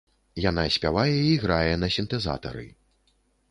Яна спявае і грае на сінтэзатары.